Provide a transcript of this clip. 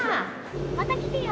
また来てよ。